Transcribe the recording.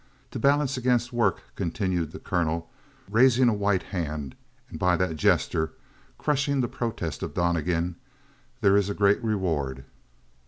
"To balance against work," continued the colonel, raising a white hand and by that gesture crushing the protest of Donnegan, "there is a great reward."